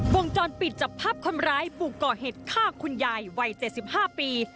วงจรปิดจับภาพคนร้ายบุกก่อเหตุฆ่าคุณยายวัย๗๕ปี